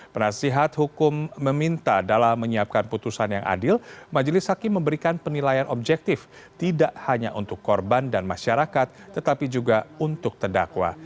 penasihat hukum meminta dalam menyiapkan putusan yang adil majelis hakim memberikan penilaian objektif tidak hanya untuk korban dan masyarakat tetapi juga untuk terdakwa